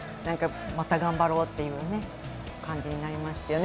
また頑張ろうっていう感じになりましたよね。